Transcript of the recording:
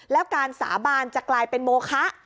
แล้วการสาบานจะกลายเป็นโมคะ